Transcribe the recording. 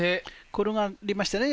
転がりましたね。